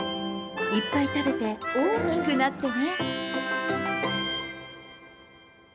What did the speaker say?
いっぱい食べて、大きくなってね。